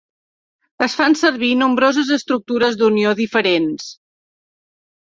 Es fan servir nombroses estructures d'unió diferents.